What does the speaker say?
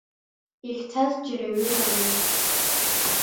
Иахьцаз џьара аҩыра ануп…